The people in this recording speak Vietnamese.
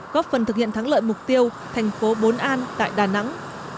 góp phần thực hiện thắng lợi mục tiêu thành phố bốn an tại đà nẵng